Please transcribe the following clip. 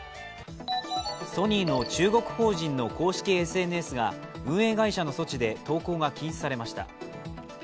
ソニーの中国法人の公式ＳＮＳが運営会社の措置で投稿が禁止されました。